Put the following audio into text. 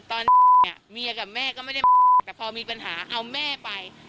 ตอนเด็กเนี่ยเมียกับแม่ก็ไม่ได้แต่พอมีปัญหาเอาแม่ไป